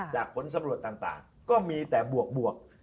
ผลสำรวจต่างก็มีแต่บวก